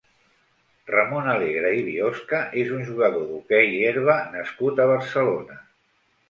Ramon Alegre i Biosca és un jugador d'hoquei herba nascut a Barcelona.